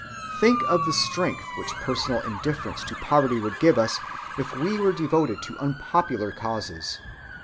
Think of the strength which personal indifference to poverty would give us if we were devoted to unpopular causes.